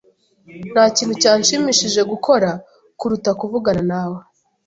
Nta kintu cyanshimishije gukora kuruta kuvugana nawe.